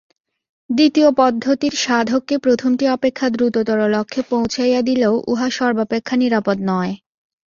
দ্বিতীয় পদ্ধতির সাধককে প্রথমটি অপেক্ষা দ্রুততর লক্ষ্যে পৌঁছাইয়া দিলেও উহা সর্বাপেক্ষা নিরাপদ নয়।